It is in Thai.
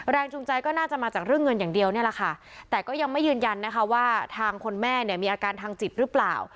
จูงใจก็น่าจะมาจากเรื่องเงินอย่างเดียวนี่แหละค่ะแต่ก็ยังไม่ยืนยันนะคะว่าทางคนแม่เนี่ยมีอาการทางจิตหรือเปล่า